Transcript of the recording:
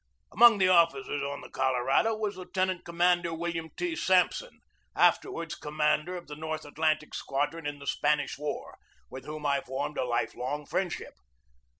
Among the officers on the Colorado was Lieuten ant Commander William T. Sampson, afterward commander of the North Atlantic Squadron in the Spanish War, with whom I formed a life long friend ship.